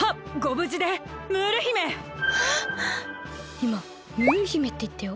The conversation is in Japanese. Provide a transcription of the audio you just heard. いまムール姫っていったよ。